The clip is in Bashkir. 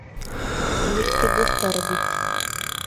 Элекке дуҫтар бит.